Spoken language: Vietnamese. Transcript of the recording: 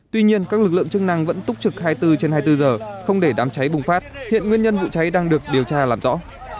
tuy nhiên các lực lượng chức năng vẫn túc trực hai mươi bốn trên hai mươi bốn giờ không để đám cháy bùng phát hiện nguyên nhân vụ cháy đang được điều tra làm rõ